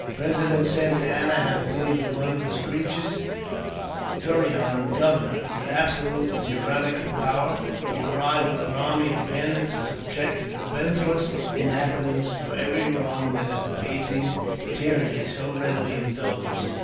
President Santa Anna had appointed one of his creatures, Torre j on, governor, with absolute and tyrannical power ; he arrived with an army of bandits to subject the defenceless inhabitants to every wrong that a debasing tyranny so readily indulges in.